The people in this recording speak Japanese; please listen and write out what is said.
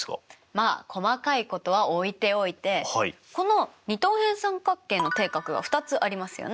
まあ細かいことは置いておいてこの二等辺三角形の底角が２つありますよね。